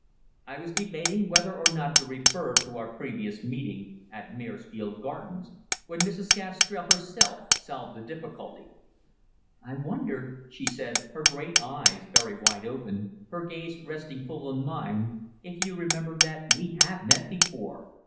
I was debating whether or not to refer to our previous meeting, at Maresfield Gardens, when Mrs. Gastrell herself solved the difficulty. "I wonder," she said, her great eyes very wide open, her gaze resting full on mine, "if you remember that we have met before.